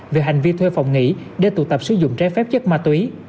về hành vi thuê phòng nghỉ để tụ tập sử dụng trái phép chất ma túy